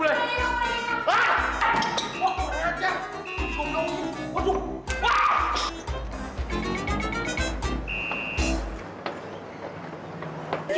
wah keren aja